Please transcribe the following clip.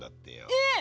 えっ！？